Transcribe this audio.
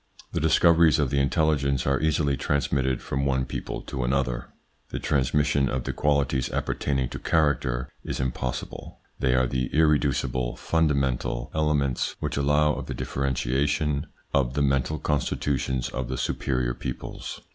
The discoveries of the intelligence are easily transmitted from one people to another. The transmission of the qualities appertaining to character is impossible. They are the irreducible fundamental ITS INFLUENCE ON THEIR EVOLUTION 33 ments which allow of the differentiation of the ntal constitutions of the superior peoples.